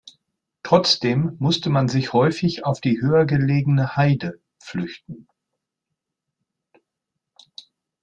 Trotzdem musste man sich häufig auf die höhergelegene Haide flüchten.